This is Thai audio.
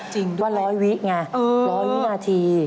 จริงด้วยว่า๑๐๐วินาที